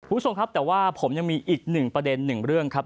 ผู้ชมครับแต่ว่าผมยังมีอีก๑ประเด็น๑เรื่องครับ